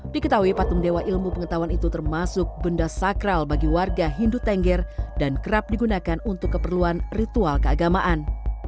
diketahui patung dewa ilmu pengetahuan itu termasuk benda sakral bagi warga hindu tengger dan kerap digunakan untuk keperluan ritual keagamaan